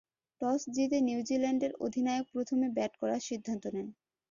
Toss জিতে নিউজিল্যান্ডের অধিনায়ক প্রথমে ব্যাট করার সিদ্ধান্ত নেন।